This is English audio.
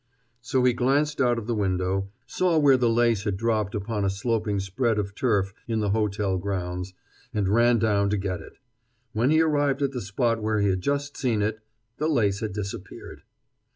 So he glanced out of the window, saw where the lace had dropped upon a sloping spread of turf in the hotel grounds, and ran down to get it. When he arrived at the spot where he had just seen it, the lace had disappeared.